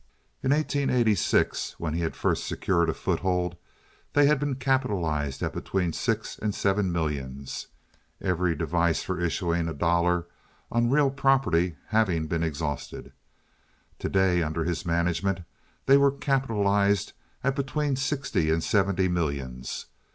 In 1886, when he had first secured a foothold, they had been capitalized at between six and seven millions (every device for issuing a dollar on real property having been exhausted). To day, under his management, they were capitalized at between sixty and seventy millions.